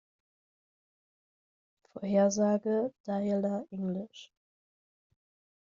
Vorhersage; "Dialer": engl.